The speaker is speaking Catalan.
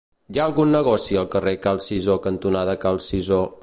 Hi ha algun negoci al carrer Cal Cisó cantonada Cal Cisó?